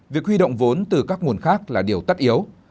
việc huy động vốn từ các nguồn khác là điều tất yếu